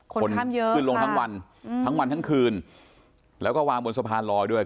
คนเยอะขึ้นลงทั้งวันทั้งวันทั้งคืนแล้วก็วางบนสะพานลอยด้วย